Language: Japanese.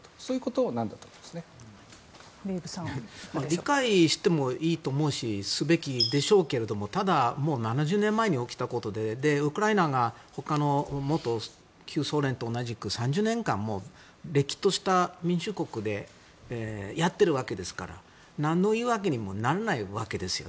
理解してもいいと思うしすべきでしょうけどただ、７０年前に起きたことでウクライナが元旧ソ連と同じく３０年間もれっきとした民主国でやっているわけですから。何の言い訳にもならないわけですよ。